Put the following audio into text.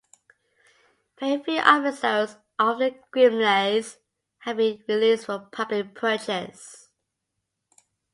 Very few episodes of "The Grimleys" have been released for public purchase.